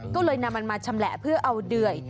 ก็เลยนำมันมาชำแหละเพื่อเอาเดื่อย